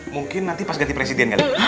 mungkin nanti pas ganti presiden kali